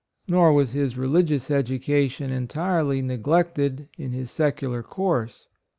JNTor was his religious education entirely neg lected in his secular course.